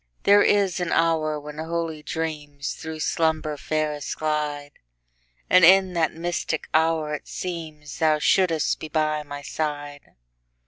There is an hour when holy dreamsThrough slumber fairest glide; And in that mystic hour it seemsThou shouldst be by my side.